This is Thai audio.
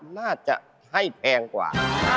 น่าจะให้แพงกว่า